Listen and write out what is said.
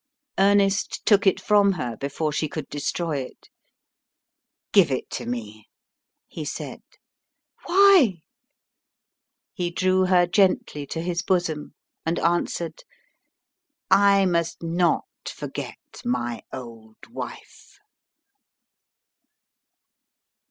Ernest took it from her before she could destroy it. "Give it to me," he said. "Why?" He drew her gently to his bosom, and answered, "I must not forget my old wife."